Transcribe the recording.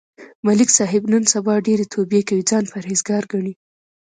ملک صاحب نن سبا ډېرې توبې کوي، ځان پرهېز گار گڼي.